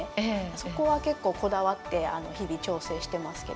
そこは結構、こだわって日々調整しています。